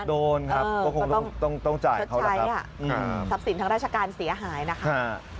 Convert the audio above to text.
โดนครับก็คงต้องจ่ายเขาแล้วทรัพย์สินทางราชการเสียหายนะคะ